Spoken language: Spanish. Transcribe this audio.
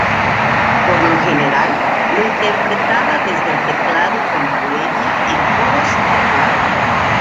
Por lo general lo interpretaba desde el teclado con Valeria en coros y teclado.